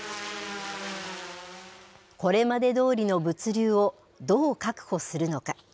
これまでどおりの物流をどう確保するのか。